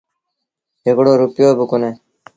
هڪڙو رپيو با ڪونهي